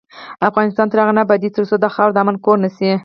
افغانستان تر هغو نه ابادیږي، ترڅو دا خاوره د امن کور نشي.